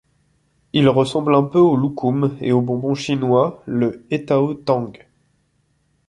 Il ressemble un peu au lokoum et au bonbon chinois, le hetao tang.